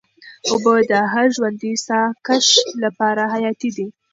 اوبه د هر ژوندي ساه کښ لپاره حیاتي دي.